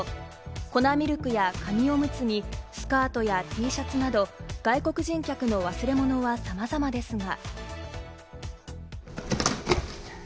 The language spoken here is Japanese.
粉ミルクや紙オムツに、スカートやＴシャツなど、外国人客の忘れ物はさまざまですが。